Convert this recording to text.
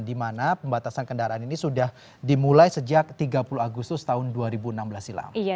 di mana pembatasan kendaraan ini sudah dimulai sejak tiga puluh agustus tahun dua ribu enam belas silam